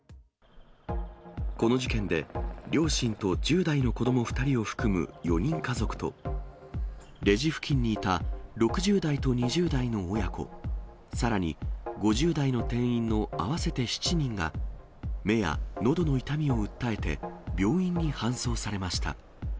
この事件で、両親と１０代の子ども２人を含む４人家族と、レジ付近にいた６０代と２０代の親子、さらに５０代の店員の合わせて７人が、目やのどの痛みを訴えて、病院に搬送されました。